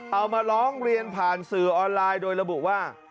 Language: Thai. เอามาร้องเรียนผ่านสื่อออนไลน์โดยระบุว่า